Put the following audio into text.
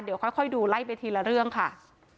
เดี๋ยวค่อยดูไล่ไปทีละเรื่องค่ะ